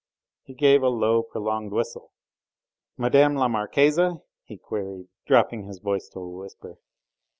He gave a low, prolonged whistle. "Mme. la Marquise?" he queried, dropping his voice to a whisper.